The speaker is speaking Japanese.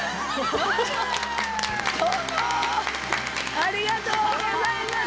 ありがとうございます！